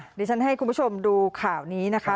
เดี๋ยวฉันให้คุณผู้ชมดูข่าวนี้นะคะ